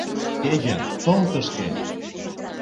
Федя, тол тышке!